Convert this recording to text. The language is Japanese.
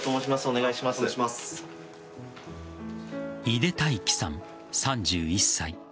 井手大稀さん、３１歳。